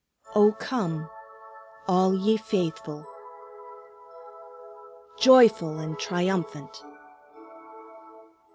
"O come, all ye faithful, Joyful and triumphant!"